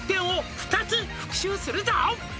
「２つ復習するぞ」